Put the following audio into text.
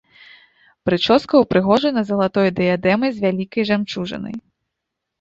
Прычоска ўпрыгожана залатой дыядэмай з вялікай жамчужынай.